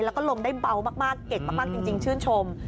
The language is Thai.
แล้วก็ลงได้เบามากเก่งมากจริงชื่นชม